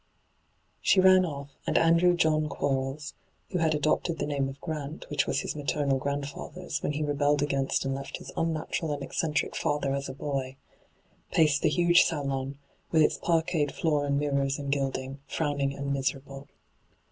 She ran off, and Andrew John Quarles — who had adopted the name of Grant, which was his maternal grandfather's, when he rebelled t^ainst and left his unnatural and eccentric father as a boy — paced the huge salon, with its parqueted floor and mirrors and gilding, firowning and miserable.